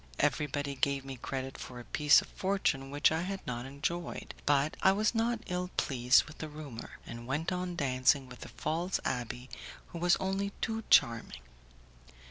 Everybody gave me credit for a piece of fortune which I had not enjoyed, but I was not ill pleased with the rumour, and went on dancing with the false abbé, who was only too charming.